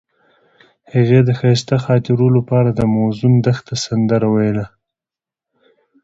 هغې د ښایسته خاطرو لپاره د موزون دښته سندره ویله.